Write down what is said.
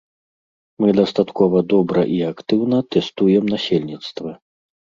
Мы дастаткова добра і актыўна тэстуем насельніцтва.